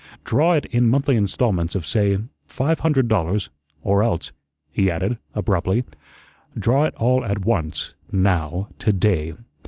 Draw it in monthly installments of, say, five hundred dollars, or else," he added, abruptly, "draw it all at once, now, to day.